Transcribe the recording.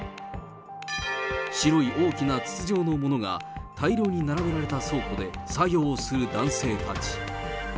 白い大きな筒状のものが大量に並べられた倉庫で作業する男性たち。